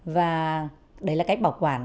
và đấy là cách bảo quản